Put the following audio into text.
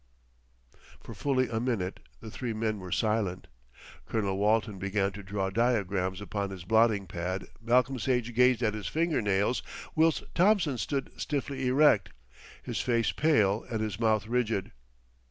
F." For fully a minute the three men were silent. Colonel Walton began to draw diagrams upon his blotting pad Malcolm Sage gazed at his finger nails, whilst Thompson stood stiffly erect, his face pale and his mouth rigid.